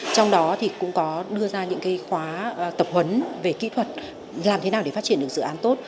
trong đó thì cũng có đưa ra những khóa tập huấn về kỹ thuật làm thế nào để phát triển được dự án tốt